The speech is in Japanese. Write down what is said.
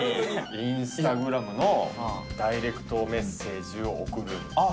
インスタグラムのダイレクトメッセージを送るんですよ。